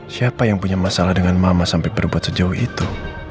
siapa yang punya masalah dengan mama sampai berbuat sejauh itu